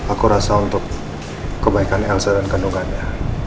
aku rasa untuk kebaikan elsa dan kandungannya